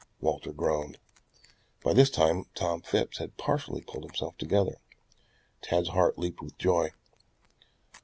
Walter groaned. By this time Tom Phipps had partially pulled himself together. Tad's heart leaped with joy.